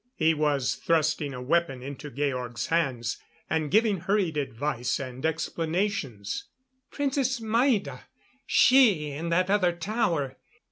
He was thrusting a weapon into Georg's hands; and giving hurried advice and explanations. "Princess Maida ... she ... in that other tower